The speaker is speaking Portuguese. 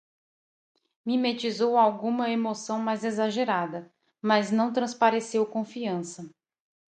Mimetizou alguma emoção mais exagerada, mas não transpareceu confiança